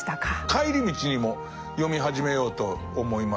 帰り道にも読み始めようと思います。